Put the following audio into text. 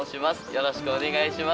よろしくお願いします。